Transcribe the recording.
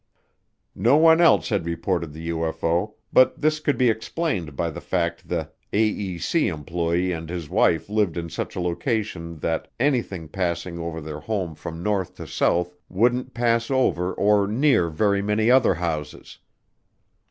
No one else had reported the UFO, but this could be explained by the fact the AEC employee and his wife lived in such a location that anything passing over their home from north to south wouldn't pass over or near very many other houses.